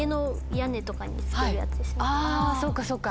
あそっかそっか。